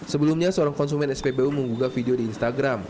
sebelumnya seorang konsumen spbu menggugah video di instagram